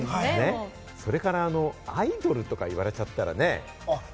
それからアイドルとか言われちゃったりしたらね。